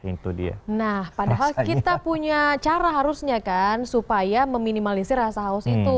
nah padahal kita punya cara harusnya kan supaya meminimalisir rasa haus itu